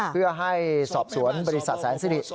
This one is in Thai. เพื่อให้สอบสวนบริษัทแสนสิริ